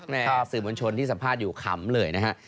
สื่อมวลชนที่สัมภาษณ์อยู่ขำเลยนะฮะ